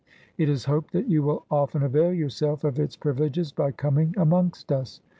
It is hoped that you will often avail yourself of its privileges by coming amongst us.